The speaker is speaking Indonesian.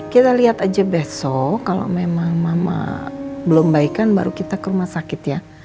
kita lihat aja besok kalau memang mama belum baikan baru kita ke rumah sakit ya